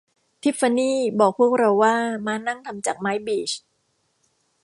ทิฟฟานี่บอกพวกเราว่าม้านั่งทำจากไม้บีช